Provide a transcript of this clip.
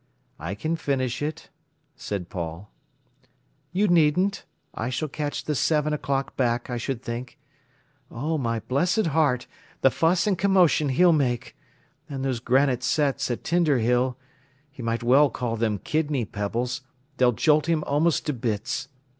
"I can finish it," said Paul. "You needn't. I shall catch the seven o'clock back, I should think. Oh, my blessed heart, the fuss and commotion he'll make! And those granite setts at Tinder Hill—he might well call them kidney pebbles—they'll jolt him almost to bits.